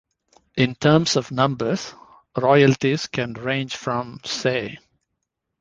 In terms of numbers, royalties can range from, say.